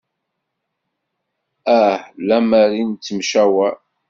Ah lemmer i nettemcawaṛ.